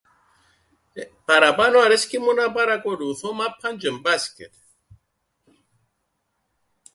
Εε... παραπάνω αρέσκει μου να πρακολουθώ μάππαν τζ̆αι μπάσκετ.